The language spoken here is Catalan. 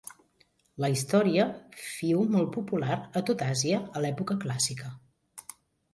La història fiu molt popular a tot Àsia a l'època clàssica.